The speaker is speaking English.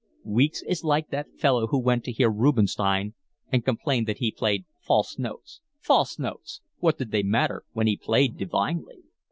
Weeks is like that fellow who went to hear Rubenstein and complained that he played false notes. False notes! What did they matter when he played divinely?"